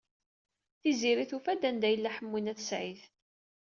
Tiziri tufa-d anda yella Ḥemmu n At Sɛid.